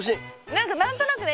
何か何となくね